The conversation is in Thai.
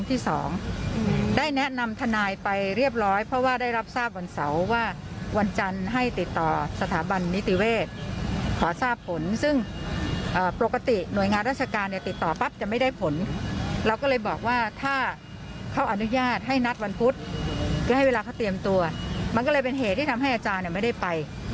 ก็เลยเป็นเหตุที่ทำให้อาจารย์ไม่ได้ไป